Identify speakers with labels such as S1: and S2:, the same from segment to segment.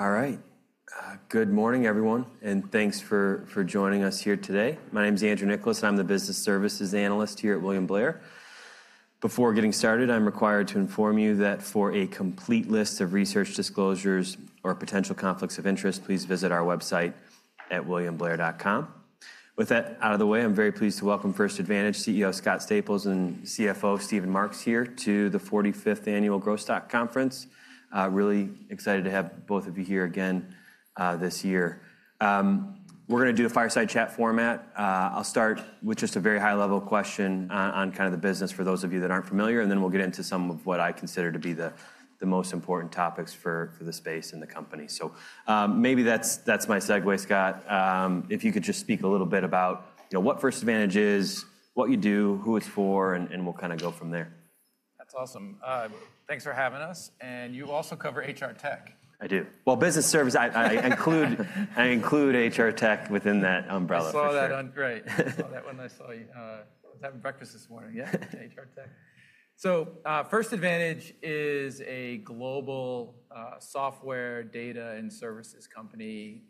S1: All right. Good morning, everyone, and thanks for joining us here today. My name is Andrew Nicholas, and I'm the Business Services Analyst here at William Blair. Before getting started, I'm required to inform you that for a complete list of research disclosures or potential conflicts of interest, please visit our website at williamblair.com. With that out of the way, I'm very pleased to welcome First Advantage CEO Scott Staples and CFO Steven Marks here to the 45th Annual Growth Stock Conference. Really excited to have both of you here again this year. We're going to do a fireside chat format. I'll start with just a very high-level question on kind of the business for those of you that a ren't familiar, and then we'll get into some of what I consider to be the most important topics for the space and the company. So maybe that's my segue, Scott. If you could just speak a little bit about what First Advantage is, what you do, who it's for, and we'll kind of go from there.
S2: That's awesome. Thanks for having us. You also cover HR tech.
S1: I do. Business service, I include HR tech within that umbrella.
S2: I saw that one, great. I saw that when I was having breakfast this morning, yeah, HR tech. First Advantage is a global software, data, and services company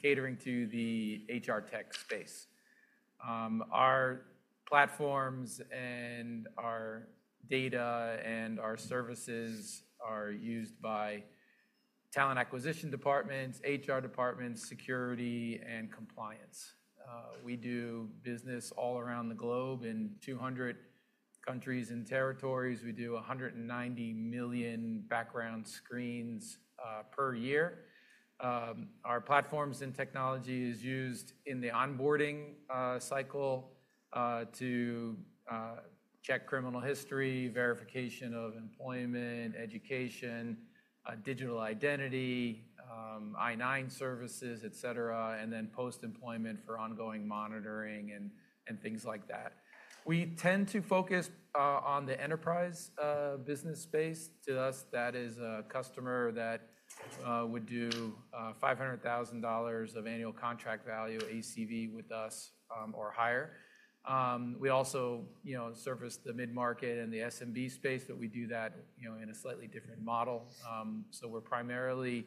S2: catering to the HR tech space. Our platforms and our data and our services are used by talent acquisition departments, HR departments, security, and compliance. We do business all around the globe in 200 countries and territories. We do 190 million background screens per year. Our platforms and technology are used in the onboarding cycle to check criminal history, verification of employment, education, digital identity, I-9 services, et cetera, and then post-employment for ongoing monitoring and things like that. We tend to focus on the enterprise business space. To us, that is a customer that would do $500,000 of annual contract value ACV with us or higher. We also service the mid-market and the SMB space, but we do that in a slightly different model. We are primarily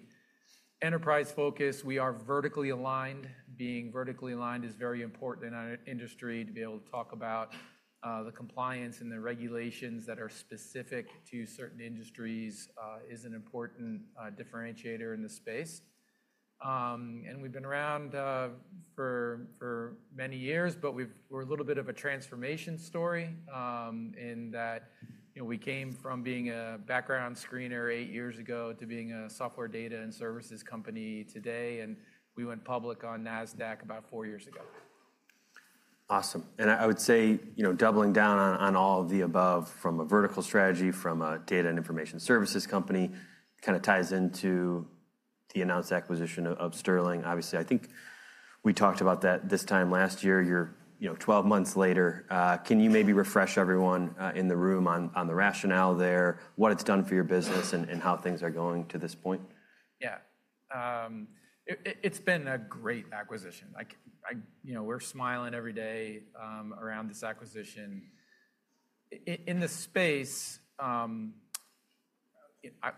S2: enterprise-focused. We are vertically aligned. Being vertically aligned is very important in our industry to be able to talk about the compliance and the regulations that are specific to certain industries is an important differentiator in the space. We have been around for many years, but we are a little bit of a transformation story in that we came from being a background screener eight years ago to being a software data and services company today, and we went public on NASDAQ about four years ago.
S1: Awesome. I would say doubling down on all of the above from a vertical strategy, from a data and information services company, kind of ties into the announced acquisition of Sterling. Obviously, I think we talked about that this time last year, you're 12 months later. Can you maybe refresh everyone in the room on the rationale there, what it's done for your business, and how things are going to this point?
S2: Yeah. It's been a great acquisition. We're smiling every day around this acquisition. In the space,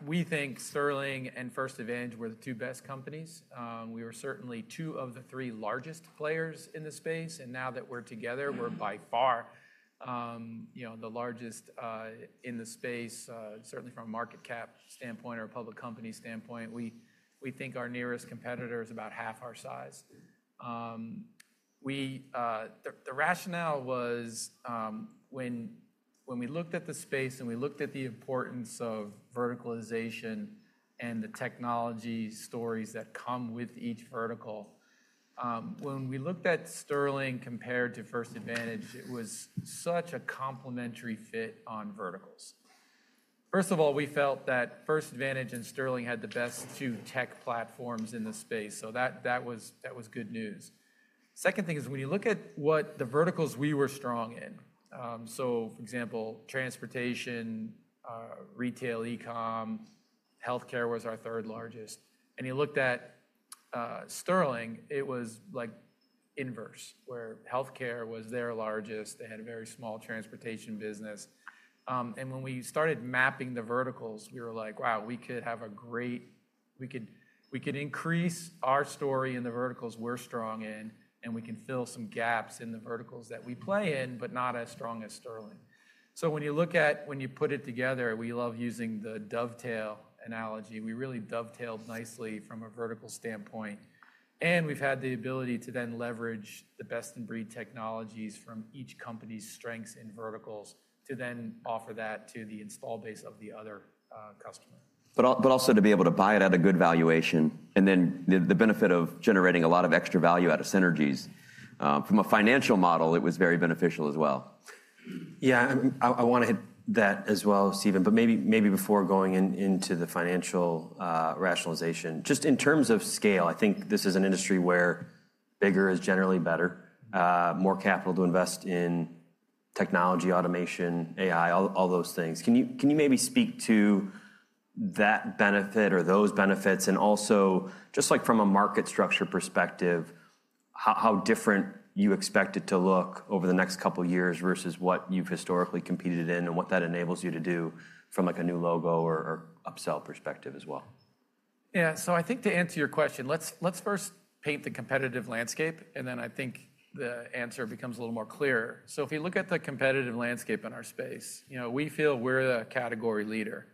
S2: we think Sterling and First Advantage were the two best companies. We were certainly two of the three largest players in the space. Now that we're together, we're by far the largest in the space, certainly from a market cap standpoint or a public company standpoint. We think our nearest competitor is about half our size. The rationale was when we looked at the space and we looked at the importance of verticalization and the technology stories that come with each vertical, when we looked at Sterling compared to First Advantage, it was such a complementary fit on verticals. First of all, we felt that First Advantage and Sterling had the best two tech platforms in the space, so that was good news. Second thing is when you look at what the verticals we were strong in, for example, transportation, retail, e-com, healthcare was our third largest. You looked at Sterling, it was like inverse, where healthcare was their largest. They had a very small transportation business. When we started mapping the verticals, we were like, wow, we could have a great, we could increase our story in the verticals we're strong in, and we can fill some gaps in the verticals that we play in, but not as strong as Sterling. When you put it together, we love using the dovetail analogy. We really dovetailed nicely from a vertical standpoint. We've had the ability to then leverage the best-in-breed technologies from each company's strengths in verticals to then offer that to the install base of the other customer.
S1: But also to be able to buy it at a good valuation and then the benefit of generating a lot of extra value out of synergies. From a financial model, it was very beneficial as well. Yeah, I want to hit that as well, Steven, but maybe before going into the financial rationalization, just in terms of scale, I think this is an industry where bigger is generally better, more capital to invest in technology, automation, AI, all those things. Can you maybe speak to that benefit or those benefits and also just like from a market structure perspective, how different you expect it to look over the next couple of years versus what you've historically competed in and what that enables you to do from like a new logo or upsell perspective as well?
S2: Yeah, so I think to answer your question, let's first paint the competitive landscape, and then I think the answer becomes a little more clear. If you look at the competitive landscape in our space, we feel we're a category leader.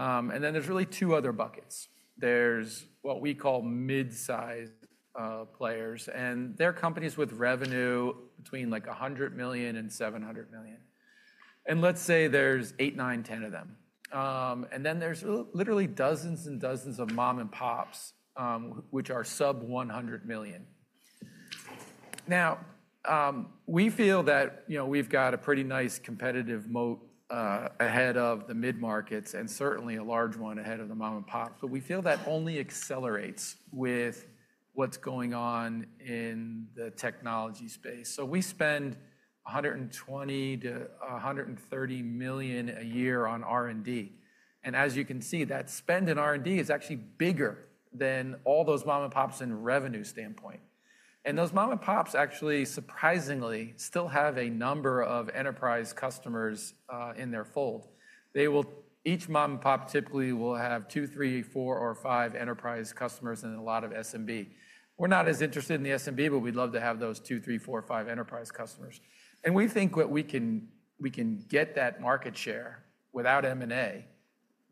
S2: There are really two other buckets. There are what we call mid-sized players, and they're companies with revenue between $100 million and $700 million. Let's say there are 8, 9, 10 of them. Then there are literally dozens and dozens of mom-and-pops, which are sub-$100 million. We feel that we've got a pretty nice competitive moat ahead of the mid-markets and certainly a large one ahead of the mom-and-pops, but we feel that only accelerates with what's going on in the technology space. We spend $120 million-$130 million a year on R&D. As you can see, that spend in R&D is actually bigger than all those mom-and-pops in revenue standpoint. Those mom-and-pops actually surprisingly still have a number of enterprise customers in their fold. Each mom-and-pop typically will have two, three, four, or five enterprise customers and a lot of SMB. We're not as interested in the SMB, but we'd love to have those two, three, four, or five enterprise customers. We think that we can get that market share without M&A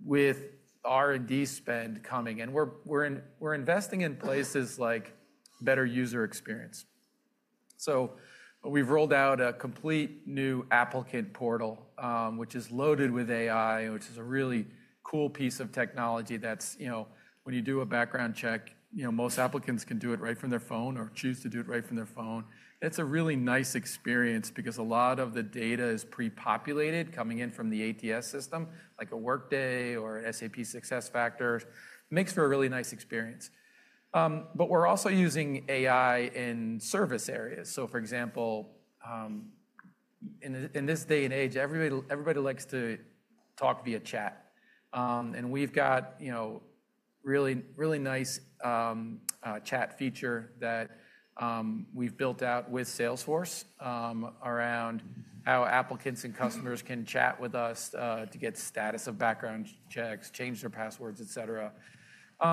S2: with R&D spend coming. We're investing in places like better user experience. We've rolled out a complete new Applicant Portal, which is loaded with AI, which is a really cool piece of technology that's when you do a background check, most applicants can do it right from their phone or choose to do it right from their phone. That's a really nice experience because a lot of the data is pre-populated coming in from the ATS system, like a Workday or an SAP SuccessFactors. It makes for a really nice experience. We are also using AI in service areas. For example, in this day and age, everybody likes to talk via chat. We have a really nice chat feature that we have built out with Salesforce around how applicants and customers can chat with us to get status of background checks, change their passwords, et cetera. We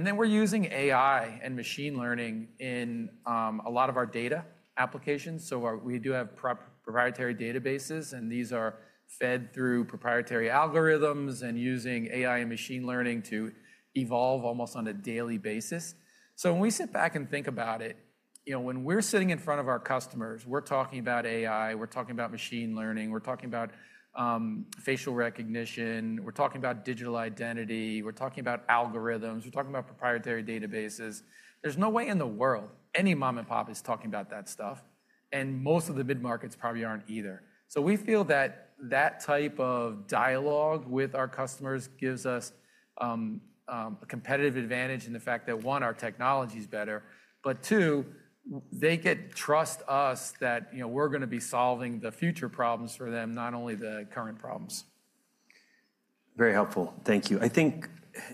S2: are using AI and machine learning in a lot of our data applications. We do have proprietary databases, and these are fed through proprietary algorithms and using AI and machine learning to evolve almost on a daily basis. When we sit back and think about it, when we're sitting in front of our customers, we're talking about AI, we're talking about machine learning, we're talking about facial recognition, we're talking about digital identity, we're talking about algorithms, we're talking about proprietary databases. There's no way in the world any mom-and-pop is talking about that stuff. Most of the mid-markets probably aren't either. We feel that that type of dialogue with our customers gives us a competitive advantage in the fact that, one, our technology is better, but two, they get trust in us that we're going to be solving the future problems for them, not only the current problems.
S1: Very helpful. Thank you. I think,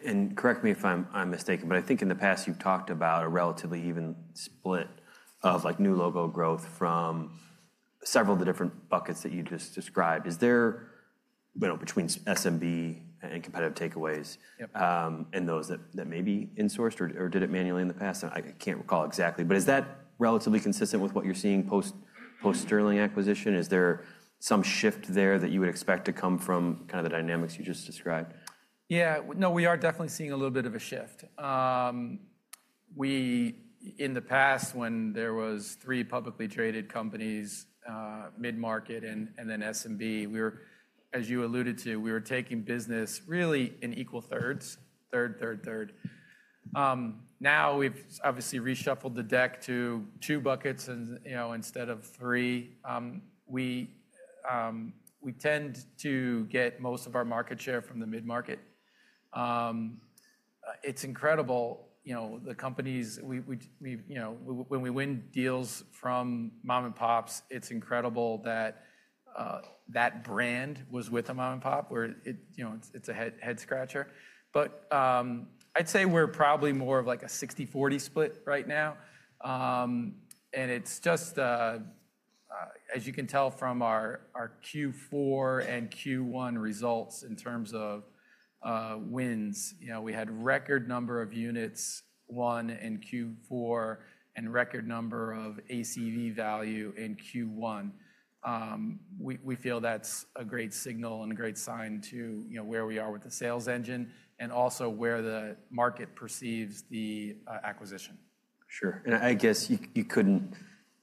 S1: and correct me if I'm mistaken, but I think in the past you've talked about a relatively even split of new logo growth from several of the different buckets that you just described. Is there between SMB and competitive takeaways and those that may be insourced, or did it manually in the past? I can't recall exactly, but is that relatively consistent with what you're seeing post-Sterling acquisition? Is there some shift there that you would expect to come from kind of the dynamics you just described?
S2: Yeah. No, we are definitely seeing a little bit of a shift. In the past, when there were three publicly traded companies, mid-market and then SMB, as you alluded to, we were taking business really in equal thirds, third, third, third. Now we have obviously reshuffled the deck to two buckets instead of three. We tend to get most of our market share from the mid-market. It's incredible. When we win deals from mom-and-pops, it's incredible that that brand was with a mom-and-pop, where it's a head-scratcher. I'd say we're probably more of like a 60/40 split right now. As you can tell from our Q4 and Q1 results in terms of wins, we had a record number of units won in Q4 and a record number of ACV value in Q1. We feel that's a great signal and a great sign to where we are with the sales engine and also where the market perceives the acquisition.
S1: Sure. I guess you couldn't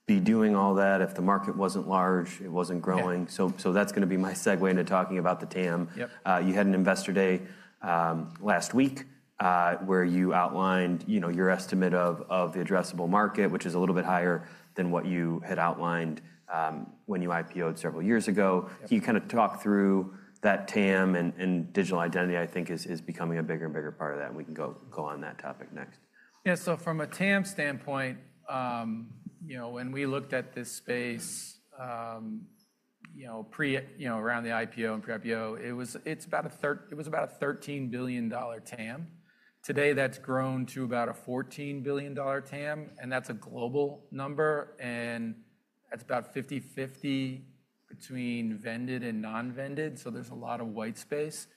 S1: be doing all that if the market wasn't large, it wasn't growing.
S2: Yeah.
S1: That is going to be my segue into talking about the TAM.
S2: Yep.
S1: You had an investor day last week where you outlined your estimate of the addressable market, which is a little bit higher than what you had outlined when you IPO'd several years ago. Can you kind of talk through that TAM and digital identity, I think, is becoming a bigger and bigger part of that? We can go on that topic next.
S2: Yeah. So from a TAM standpoint, when we looked at this space around the IPO and pre-IPO, it was about a $13 billion TAM. Today, that's grown to about a $14 billion TAM, and that's a global number. That's about 50/50 between vended and non-vended, so there's a lot of white space.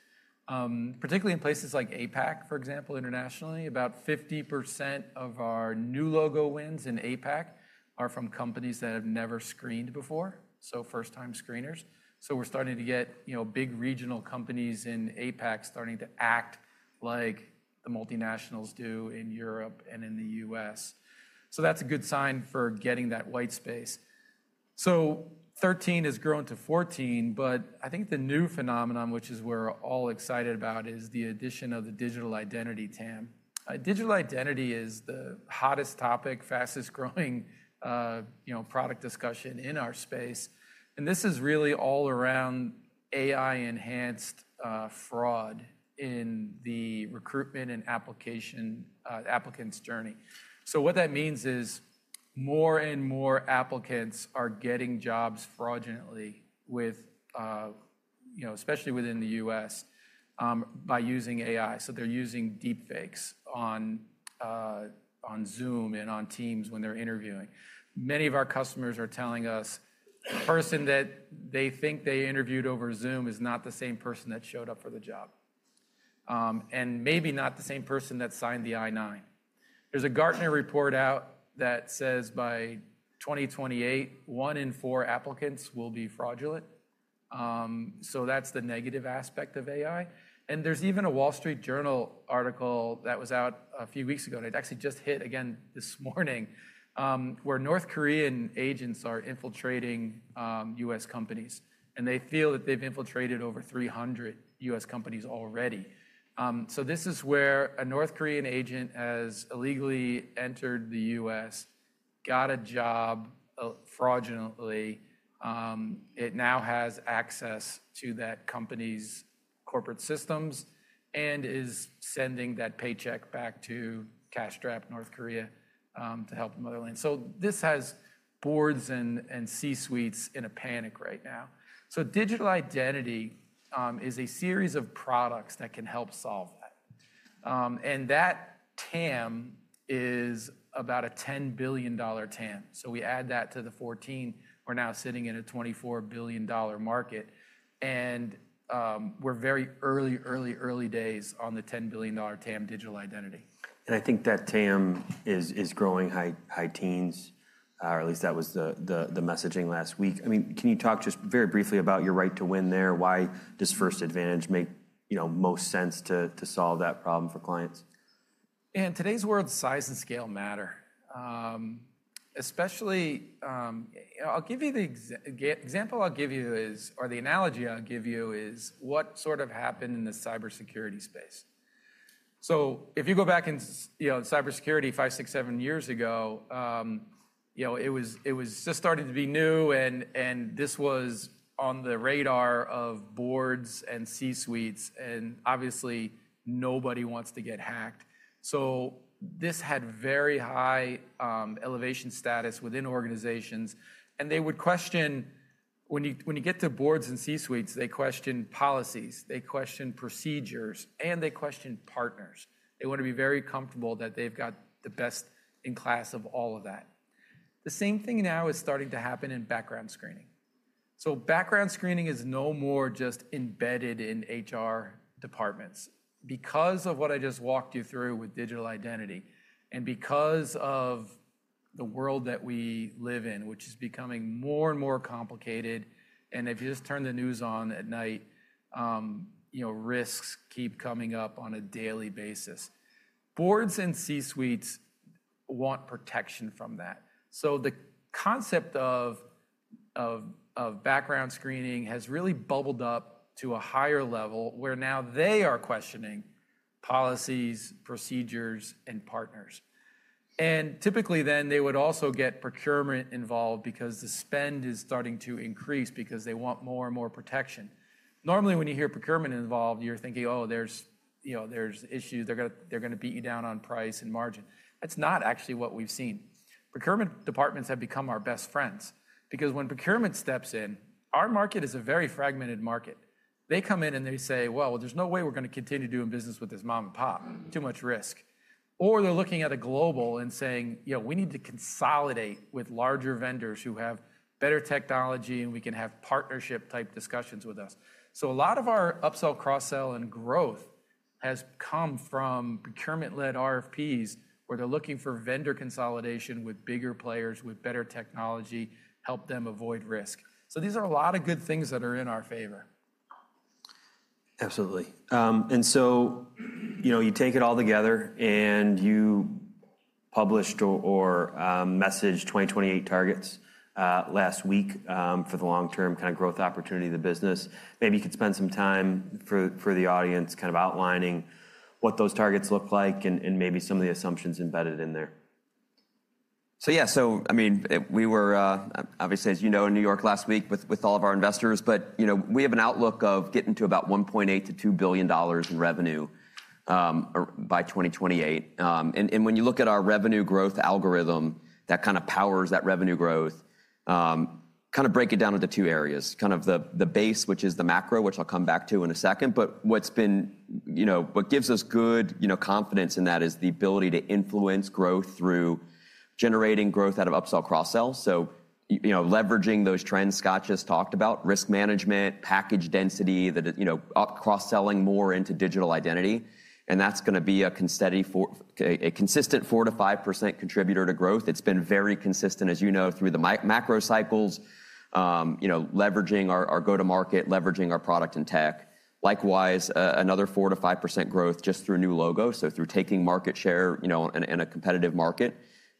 S2: Particularly in places like APAC, for example, internationally, about 50% of our new logo wins in APAC are from companies that have never screened before, so first-time screeners. We're starting to get big regional companies in APAC starting to act like the multinationals do in Europe and in the U.S. That's a good sign for getting that white space. Thirteen has grown to fourteen, but I think the new phenomenon, which is what we're all excited about, is the addition of the digital identity TAM. Digital identity is the hottest topic, fastest-growing product discussion in our space. This is really all around AI-enhanced fraud in the recruitment and applicants' journey. What that means is more and more applicants are getting jobs fraudulently, especially within the U.S., by using AI. They're using deepfakes on Zoom and on Teams when they're interviewing. Many of our customers are telling us the person that they think they interviewed over Zoom is not the same person that showed up for the job and maybe not the same person that signed the I-9. There's a Gartner report out that says by 2028, one in four applicants will be fraudulent. That's the negative aspect of AI. There's even a Wall Street Journal article that was out a few weeks ago. It actually just hit, again, this morning, where North Korean agents are infiltrating U.S. companies. They feel that they've infiltrated over 300 U.S. companies already. This is where a North Korean agent has illegally entered the U.S., got a job fraudulently, now has access to that company's corporate systems, and is sending that paycheck back to cash-strapped North Korea to help the motherland. This has Boards and C-suites in a panic right now. Digital identity is a series of products that can help solve that. That TAM is about a $10 billion TAM. We add that to the $14 billion, we're now sitting in a $24 billion market. We're very early, early, early days on the $10 billion TAM digital identity.
S1: I think that TAM is growing high teens, or at least that was the messaging last week. I mean, can you talk just very briefly about your right to win there? Why does First Advantage make most sense to solve that problem for clients?
S2: Yeah, in today's world, size and scale matter. I'll give you the example I'll give you is, or the analogy I'll give you is what sort of happened in the cybersecurity space. If you go back in cybersecurity five, six, seven years ago, it was just starting to be new, and this was on the radar of Boards and C-suites. Obviously, nobody wants to get hacked. This had very high elevation status within organizations. They would question, when you get to Boards and C-suites, they question policies, they question procedures, and they question partners. They want to be very comfortable that they've got the best in class of all of that. The same thing now is starting to happen in background screening. Background screening is no more just embedded in HR departments. Because of what I just walked you through with digital identity and because of the world that we live in, which is becoming more and more complicated, and if you just turn the news on at night, risks keep coming up on a daily basis. Boards and C-suites want protection from that. The concept of background screening has really bubbled up to a higher level where now they are questioning policies, procedures, and partners. Typically then, they would also get procurement involved because the spend is starting to increase because they want more and more protection. Normally, when you hear procurement involved, you're thinking, "Oh, there's issues. They're going to beat you down on price and margin." That's not actually what we've seen. Procurement departments have become our best friends because when procurement steps in, our market is a very fragmented market. They come in and they say, "There's no way we're going to continue doing business with this mom-and-pop. Too much risk." They are looking at a global and saying, "We need to consolidate with larger vendors who have better technology and we can have partnership-type discussions with us." A lot of our upsell, cross-sell, and growth has come from procurement-led RFPs where they are looking for vendor consolidation with bigger players with better technology to help them avoid risk. These are a lot of good things that are in our favor.
S1: Absolutely. You take it all together and you published or messaged 2028 targets last week for the long-term kind of growth opportunity of the business. Maybe you could spend some time for the audience kind of outlining what those targets look like and maybe some of the assumptions embedded in there.
S3: Yeah, I mean, we were, obviously, as you know, in New York last week with all of our investors, but we have an outlook of getting to about $1.8 billion-$2 billion in revenue by 2028. When you look at our revenue growth algorithm that kind of powers that revenue growth, kind of break it down into two areas. Kind of the base, which is the macro, which I'll come back to in a second. What gives us good confidence in that is the ability to influence growth through generating growth out of upsell, cross-sell. Leveraging those trends Scott just talked about, risk management, package density, cross-selling more into digital identity. That's going to be a consistent 4%-5% contributor to growth. It's been very consistent, as you know, through the macro cycles, leveraging our go-to-market, leveraging our product and tech. Likewise, another 4%-5% growth just through new logos, so through taking market share in a competitive market,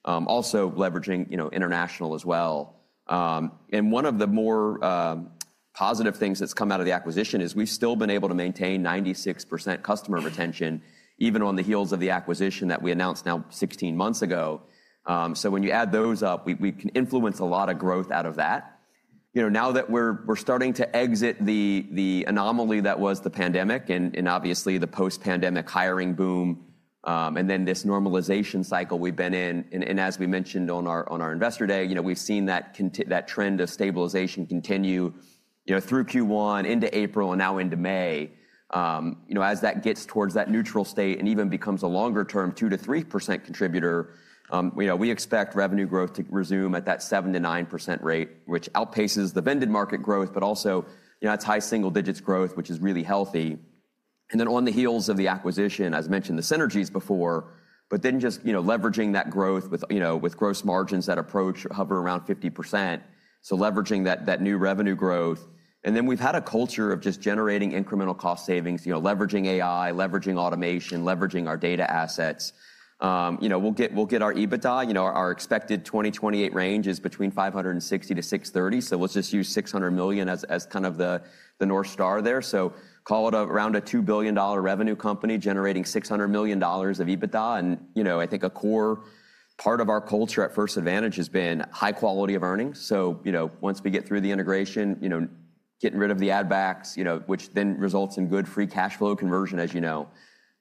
S3: also leveraging international as well. One of the more positive things that has come out of the acquisition is we have still been able to maintain 96% customer retention, even on the heels of the acquisition that we announced now 16 months ago. When you add those up, we can influence a lot of growth out of that. Now that we are starting to exit the anomaly that was the pandemic and obviously the post-pandemic hiring boom and then this normalization cycle we have been in, and as we mentioned on our investor day, we have seen that trend of stabilization continue through Q1 into April and now into May. As that gets towards that neutral state and even becomes a longer-term 2%-3% contributor, we expect revenue growth to resume at that 7%-9% rate, which outpaces the vended market growth, but also that's high single-digits growth, which is really healthy. On the heels of the acquisition, as mentioned, the synergies before, but then just leveraging that growth with gross margins that hover around 50%. Leveraging that new revenue growth. We have had a culture of just generating incremental cost savings, leveraging AI, leveraging automation, leveraging our data assets. We will get our EBITDA. Our expected 2028 range is between $560 million-$630 million. Let's just use $600 million as kind of the North Star there. Call it around a $2 billion revenue company generating $600 million of EBITDA. I think a core part of our culture at First Advantage has been high quality of earnings. Once we get through the integration, getting rid of the add-backs, which then results in good free cash flow conversion, as you know.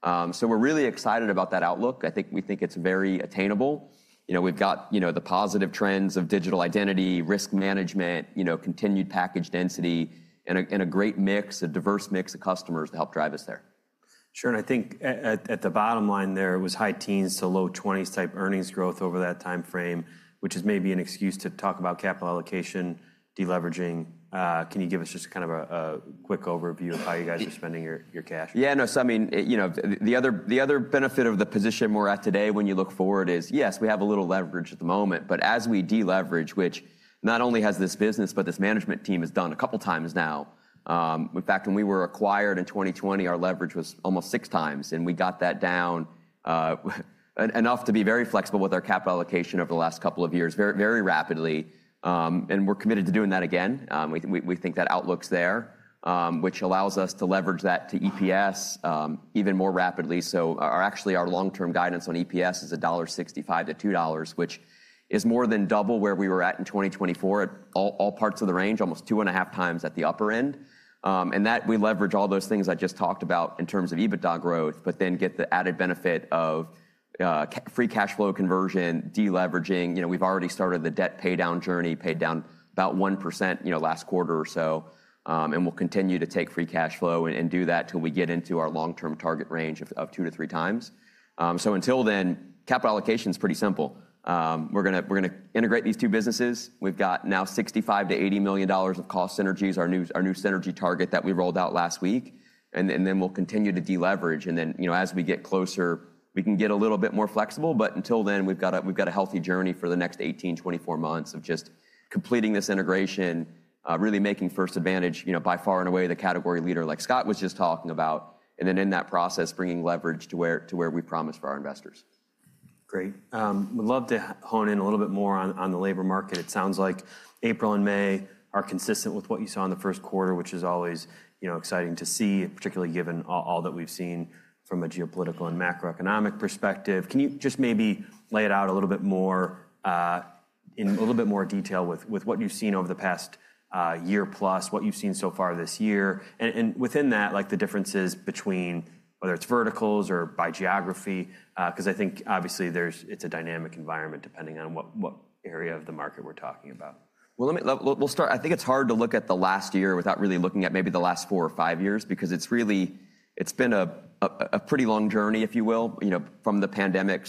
S3: We are really excited about that outlook. I think we think it is very attainable. We have got the positive trends of digital identity, risk management, continued package density, and a great mix, a diverse mix of customers to help drive us there.
S1: Sure. I think at the bottom line there, it was high teens to low 20s type earnings growth over that time frame, which is maybe an excuse to talk about capital allocation, deleveraging. Can you give us just kind of a quick overview of how you guys are spending your cash?
S3: Yeah. No, so I mean, the other benefit of the position we're at today when you look forward is, yes, we have a little leverage at the moment. As we deleverage, which not only has this business, but this management team has done a couple of times now. In fact, when we were acquired in 2020, our leverage was almost six times. We got that down enough to be very flexible with our capital allocation over the last couple of years, very rapidly. We're committed to doing that again. We think that outlook's there, which allows us to leverage that to EPS even more rapidly. Actually, our long-term guidance on EPS is $1.65-$2, which is more than double where we were at in 2024 at all parts of the range, almost two and a half times at the upper end. We leverage all those things I just talked about in terms of EBITDA growth, but then get the added benefit of free cash flow conversion, deleveraging. We have already started the debt paydown journey, paid down about 1% last quarter or so. We will continue to take free cash flow and do that until we get into our long-term target range of two to three times. Until then, capital allocation is pretty simple. We are going to integrate these two businesses. We have now $65 million-$80 million of cost synergies, our new synergy target that we rolled out last week. We will continue to deleverage. As we get closer, we can get a little bit more flexible. Until then, we've got a healthy journey for the next 18-24 months of just completing this integration, really making First Advantage by far and away the category leader like Scott was just talking about. In that process, bringing leverage to where we promised for our investors.
S1: Great. We'd love to hone in a little bit more on the labor market. It sounds like April and May are consistent with what you saw in the first quarter, which is always exciting to see, particularly given all that we've seen from a geopolitical and macroeconomic perspective. Can you just maybe lay it out a little bit more in a little bit more detail with what you've seen over the past year plus, what you've seen so far this year? And within that, the differences between whether it's verticals or by geography, because I think obviously it's a dynamic environment depending on what area of the market we're talking about.
S3: I think it's hard to look at the last year without really looking at maybe the last four or five years because it's been a pretty long journey, if you will, from the pandemic.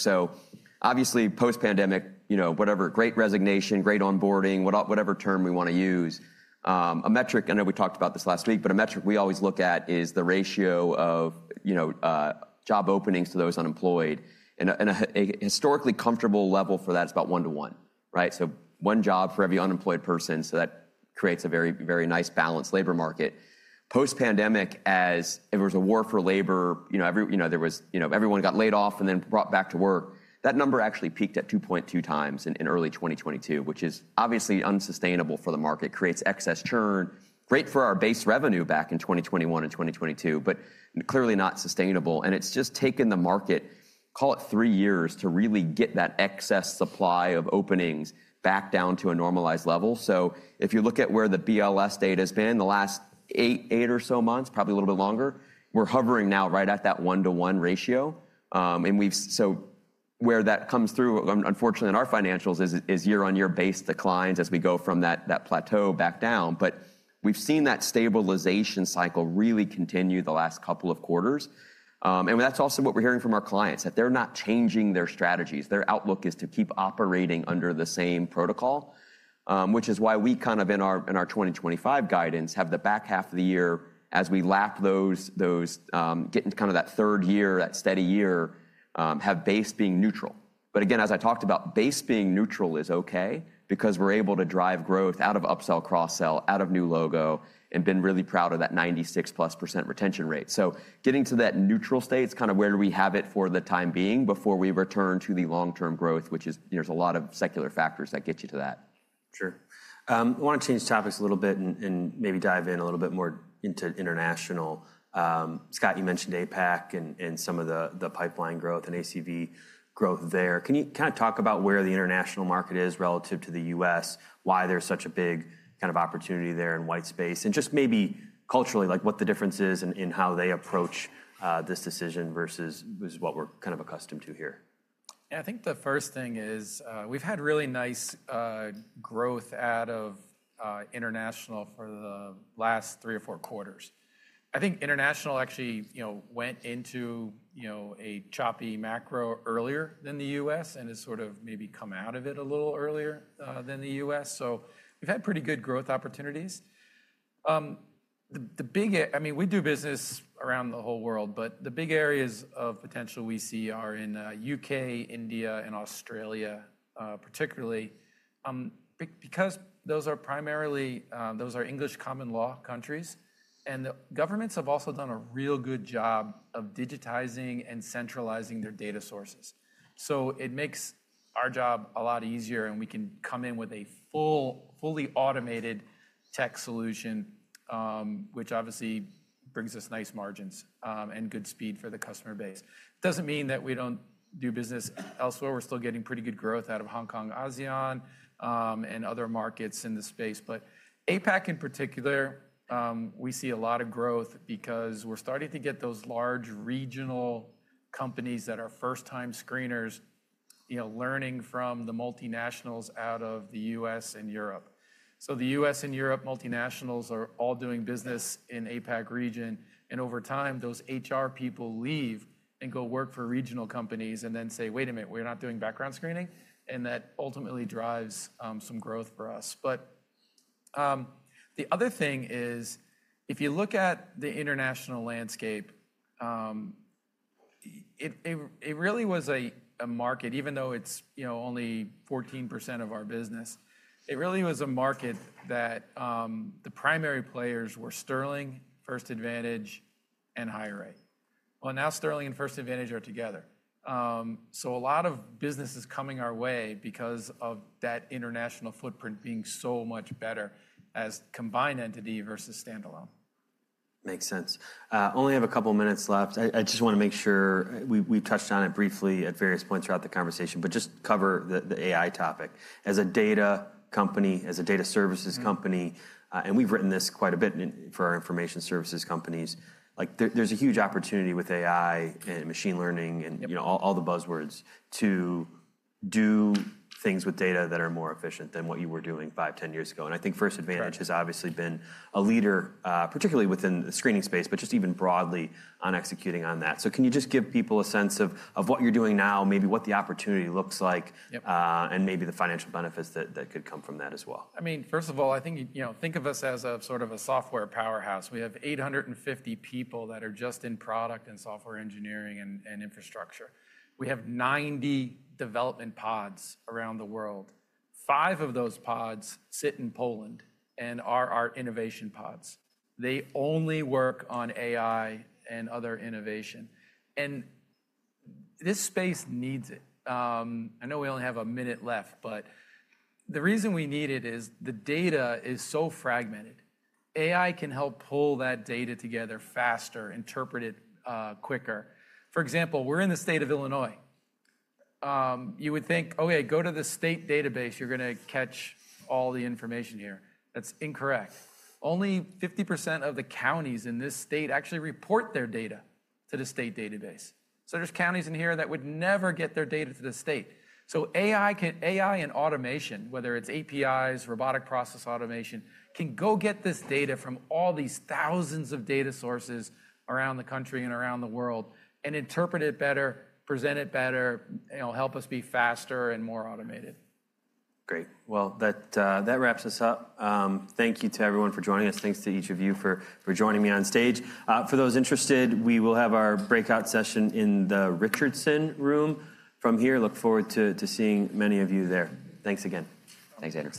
S3: Obviously, post-pandemic, whatever great resignation, great onboarding, whatever term we want to use, a metric, I know we talked about this last week, but a metric we always look at is the ratio of job openings to those unemployed. A historically comfortable level for that is about one to one, right? One job for every unemployed person. That creates a very nice balanced labor market. Post-pandemic, as if it was a war for labor, everyone got laid off and then brought back to work. That number actually peaked at 2.2 times in early 2022, which is obviously unsustainable for the market, creates excess churn, great for our base revenue back in 2021 and 2022, but clearly not sustainable. It has just taken the market, call it three years, to really get that excess supply of openings back down to a normalized level. If you look at where the BLS data has been the last eight or so months, probably a little bit longer, we are hovering now right at that one to one ratio. Where that comes through, unfortunately, in our financials is year-on-year-based declines as we go from that plateau back down. We have seen that stabilization cycle really continue the last couple of quarters. That is also what we are hearing from our clients, that they are not changing their strategies. Their outlook is to keep operating under the same protocol, which is why we kind of in our 2025 guidance have the back half of the year as we lap those, getting to kind of that third year, that steady year, have base being neutral. Again, as I talked about, base being neutral is okay because we're able to drive growth out of upsell, cross-sell, out of new logo, and been really proud of that 96%+ retention rate. Getting to that neutral state is kind of where we have it for the time being before we return to the long-term growth, which is there's a lot of secular factors that get you to that.
S1: Sure. I want to change topics a little bit and maybe dive in a little bit more into international. Scott, you mentioned APAC and some of the pipeline growth and ACV growth there. Can you kind of talk about where the international market is relative to the U.S., why there's such a big kind of opportunity there in white space, and just maybe culturally, what the difference is in how they approach this decision versus what we're kind of accustomed to here?
S2: Yeah, I think the first thing is we've had really nice growth out of international for the last three or four quarters. I think international actually went into a choppy macro earlier than the U.S. and has sort of maybe come out of it a little earlier than the U.S. We’ve had pretty good growth opportunities. I mean, we do business around the whole world, but the big areas of potential we see are in the U.K., India, and Australia, particularly because those are primarily those are English common law countries. The governments have also done a real good job of digitizing and centralizing their data sources. It makes our job a lot easier, and we can come in with a fully automated tech solution, which obviously brings us nice margins and good speed for the customer base. It doesn't mean that we don't do business elsewhere. We're still getting pretty good growth out of Hong Kong, ASEAN, and other markets in the space. APAC in particular, we see a lot of growth because we're starting to get those large regional companies that are first-time screeners learning from the multinationals out of the U.S. and Europe. The U.S. and Europe multinationals are all doing business in the APAC region. Over time, those HR people leave and go work for regional companies and then say, "Wait a minute, we're not doing background screening." That ultimately drives some growth for us. The other thing is, if you look at the international landscape, it really was a market, even though it's only 14% of our business, it really was a market that the primary players were Sterling, First Advantage, and HireRight. Now Sterling and First Advantage are together. A lot of business is coming our way because of that international footprint being so much better as combined entity versus standalone.
S1: Makes sense. Only have a couple of minutes left. I just want to make sure we've touched on it briefly at various points throughout the conversation, but just cover the AI topic. As a data company, as a data services company, and we've written this quite a bit for our information services companies, there's a huge opportunity with AI and machine learning and all the buzzwords to do things with data that are more efficient than what you were doing five, ten years ago. I think First Advantage has obviously been a leader, particularly within the screening space, but just even broadly on executing on that. Can you just give people a sense of what you're doing now, maybe what the opportunity looks like, and maybe the financial benefits that could come from that as well?
S2: I mean, first of all, I think think of us as a sort of a software powerhouse. We have 850 people that are just in product and software engineering and infrastructure. We have 90 development pods around the world. Five of those pods sit in Poland and are our innovation pods. They only work on AI and other innovation. This space needs it. I know we only have a minute left, but the reason we need it is the data is so fragmented. AI can help pull that data together faster, interpret it quicker. For example, we're in the state of Illinois. You would think, "Oh, yeah, go to the state database, you're going to catch all the information here." That's incorrect. Only 50% of the counties in this state actually report their data to the state database. There are counties in here that would never get their data to the state. AI and automation, whether it's APIs, robotic process automation, can go get this data from all these thousands of data sources around the country and around the world and interpret it better, present it better, help us be faster and more automated.
S1: Great. That wraps us up. Thank you to everyone for joining us. Thanks to each of you for joining me on stage. For those interested, we will have our breakout session in the Richardson room from here. Look forward to seeing many of you there. Thanks again.
S3: Thanks, Anders.